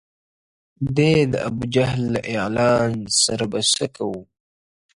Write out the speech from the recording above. • دې د ابوجهل له اعلان سره به څه کوو -